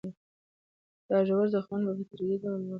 دا ژور زخمونه به په تدریجي ډول ورغېږي.